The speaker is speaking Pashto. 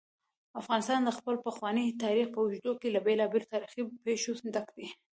افغانستان د خپل پخواني تاریخ په اوږدو کې له بېلابېلو تاریخي پېښو ډک دی.